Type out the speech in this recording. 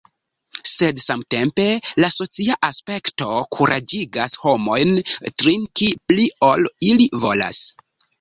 Sed samtempe, la socia aspekto kuraĝigas homojn drinki pli ol ili volas.